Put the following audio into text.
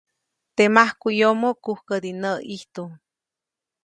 Teʼ majkuʼyomo, kujkädi näʼ ʼijtu.